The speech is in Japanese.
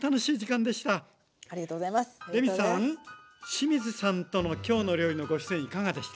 清水さんとの「きょうの料理」のご出演いかがでした？